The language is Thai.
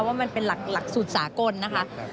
ว่ามันเป็นหลักสูตรสากลนะคะ